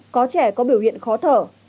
có trẻ có biểu hiện khó thở